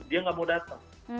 dia nggak mau datang